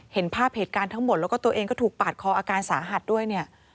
เห็นภาพเหตุการณ์ทั้งหมดแล้วก็ตัวเองก็ถูกปาดคออาการสาหัสด้วยเนี่ย